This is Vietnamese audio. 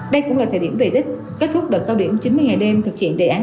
đây cũng là thời điểm về đích kết thúc đợt cao điểm chín mươi ngày đêm thực hiện đề án